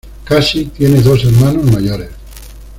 Cassie tiene dos hermanos mayores.